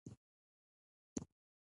ستاسو کارونه به ښه کیږي